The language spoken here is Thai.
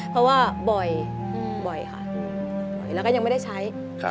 เพราะว่าบ่อยบ่อยค่ะบ่อยแล้วก็ยังไม่ได้ใช้